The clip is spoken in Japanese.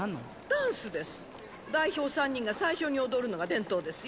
ダンスです代表３人が最初に踊るのが伝統ですよ